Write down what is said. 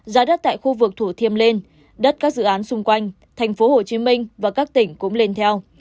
giá đất tại khu vực thủ thiêm lên đất các dự án xung quanh thành phố hồ chí minh và các tỉnh cũng lên theo